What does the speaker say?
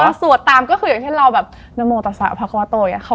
สวดตามก็คืออย่างเช่นเราแบบนโมตะสาวพระควโตอย่างนี้